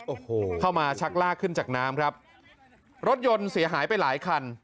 โอ้โหเข้ามาชักลากขึ้นจากน้ำครับรถยนต์เสียหายไปหลายคัน